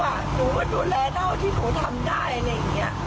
หนูก็ดูแลเท่าที่หนูทำได้อะไรอย่างนี้